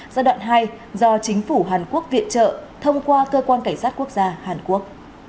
giai đoạn hai do chính phủ hàn quốc viện trợ thông qua cơ quan cảnh sát quốc gia hàn quốc